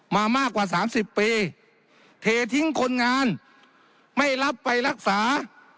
มามากกว่าสามสิบปีเททิ้งคนงานไม่รับไปรักษา